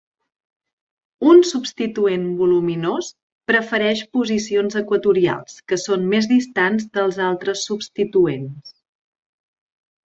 Un substituent voluminós prefereix posicions equatorials, que són més distants dels altres substituents.